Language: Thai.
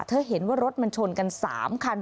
เห็นว่ารถมันชนกัน๓คัน